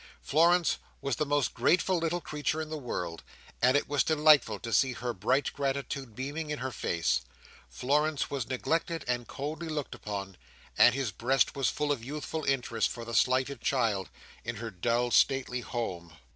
Florence was the most grateful little creature in the world, and it was delightful to see her bright gratitude beaming in her face. Florence was neglected and coldly looked upon, and his breast was full of youthful interest for the slighted child in her dull, stately home.